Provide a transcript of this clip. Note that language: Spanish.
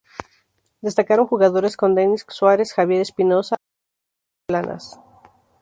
Destacaron jugadores como Denis Suárez, Javier Espinosa, Edu Bedia o Planas.